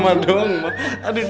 jangan doain mama doang